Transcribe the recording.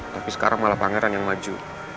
tapi sekarang malah pangeran yang maju